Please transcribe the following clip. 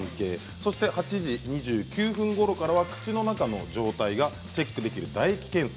そして８時２９分ごろからは口の中の状態がチェックできる唾液検査。